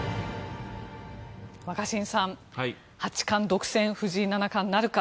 若新さん八冠独占、藤井七冠なるか。